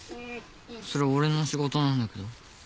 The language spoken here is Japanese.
それ俺の仕事なんだけど。